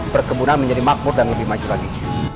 perkebunan menjadi makmur dan lebih maju lagi